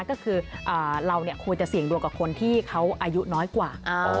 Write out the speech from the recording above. ก็คือเราควรจะเสี่ยงดวงกับคนที่เขาอายุน้อยกว่า